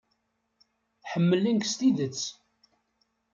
Ḥemmlen-k s tidet.